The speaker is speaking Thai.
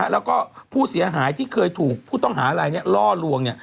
แล้วก็ผู้เสียหายที่เคยถูกผู้ต้องหาอะไรล่อลวง